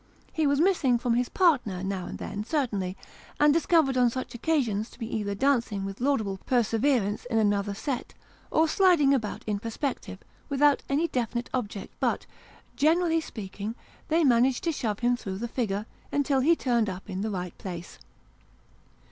He was missing from his partner, now and then, certainly, and discovered on such occasions to DO either dancing with laudable perseverance in another set, or sliding about in perspective, without any definite object ; but, generally speak ing, they managed to shove him through the figure., until he turned o 194 Sketches by Boz. up in the right place.